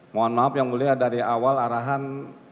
mohon maaf yang mulia dari awal arahan